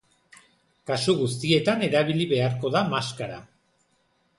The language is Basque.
Kasu guztietan erabili beharko da maskara.